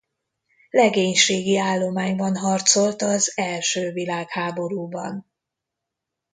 Legénységi állományban harcolt az első világháborúban.